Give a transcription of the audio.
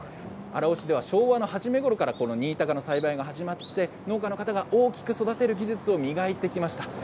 荒尾市では昭和の初めごろから新高の栽培が始まって農家の方が大きく育てる技術を磨いてきました。